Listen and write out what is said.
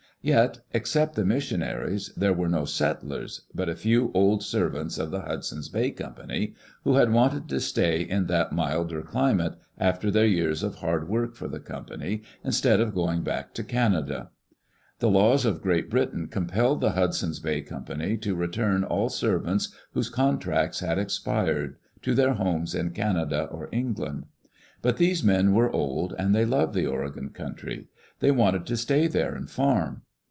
Yet, except the mis sionaries, there were no settlers but a few old servants of the Hudson's Bay Company, who had wanted to stay in that milder climate after their years of hard work for the company, instead of going back to Canada. The laws of Great Britain compelled the Hudson's Bay Company to [H9] Digitized by CjOOQ IC EARLY DAYS IN OLD OREGON return all servants whose contracts had expired to their homes In Canada or England. But these men were old, and they loved the Oregon country. They wanted to stay there and farm.